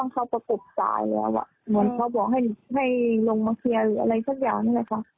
เขาก็บอกให้ลงมาเคลียร์หรืออะไรสักอย่างเลยค่ะ